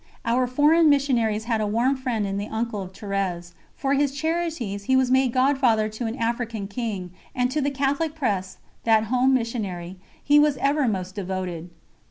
Our foreign missionaries had a warm friend in the uncle of Thérèse for his charities he was made godfather to an African King; and to the Catholic Press that home missionary he was ever most devoted.